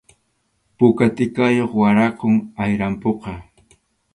Puka tʼikayuq waraqum ayrampuqa.